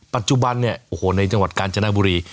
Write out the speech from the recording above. ปัจจุบันเนี่ยโอ้โหในจังหวัดกาญจนบุรี